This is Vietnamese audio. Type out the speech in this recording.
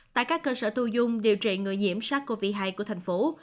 tại các cơ sở tu dung điều trị người nhiễm sars cov hai của thành phố